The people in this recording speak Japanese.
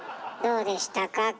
どうでしたか？